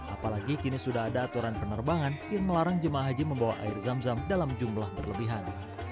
apalagi kini sudah ada aturan penerbangan yang melarang jemaah haji membawa air zam zam dalam jumlah berlebihan